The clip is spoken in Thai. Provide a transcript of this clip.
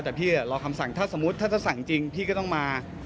แต่พี่รอคำสั่งถ้าสมมุติถ้าจะสั่งจริงพี่ก็ต้องมา